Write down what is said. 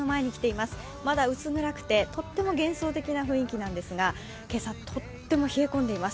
まだ薄暗くてとっても幻想的な雰囲気なんですが今朝、とっても冷え込んでいます